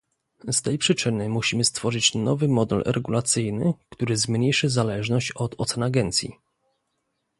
Z tej przyczyny musimy stworzyć nowy model regulacyjny, który zmniejszy zależność od ocen agencji